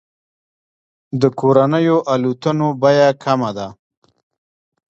د کورنیو الوتنو بیه کمه ده.